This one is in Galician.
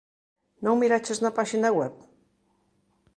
Non miraches na páxina web?